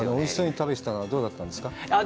食べたのはどうだったんですか。